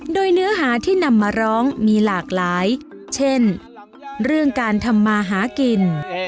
โดยเนื้อหาที่นำมาร้องมีหลากหลายเช่นเรื่องการทำมาหากิน